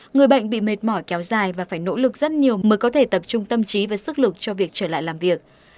người bệnh bị mệt mỏi kéo dài và phải nỗ lực rất nhiều mới có thể tập trung tâm trí và sức lực cho việc trở lại làm việc